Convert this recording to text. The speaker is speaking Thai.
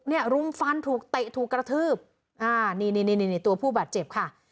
รุมฟันถูกเตะถูกกระทืบอ่านี่นี่ตัวผู้บาดเจ็บค่ะ